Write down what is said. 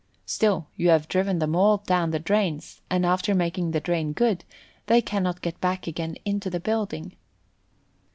Still, you have driven them all down the drains, and after making the drain good they cannot get back again into the building.